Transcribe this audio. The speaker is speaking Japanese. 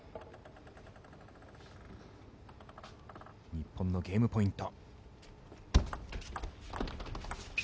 日本のゲームポイント。